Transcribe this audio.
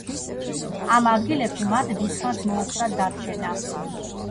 ამ ადგილებში მათ დიდ ხანს მოუხდათ დარჩენა.